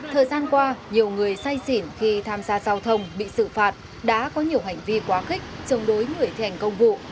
thời gian qua nhiều người say xỉn khi tham gia giao thông bị xử phạt đã có nhiều hành vi quá khích chống đối người thành công vụ